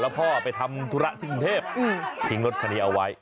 แล้วก็ไปทำธุระที่กรุงเทพทิ้งรถคันนี้เอาไว้